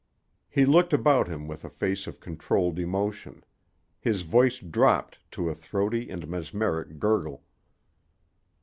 He looked about him with a face of controlled emotion. His voice dropped to a throaty and mesmeric gurgle.